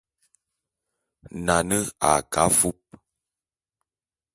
Nane a ke afúp.